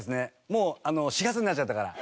もう４月になっちゃったから。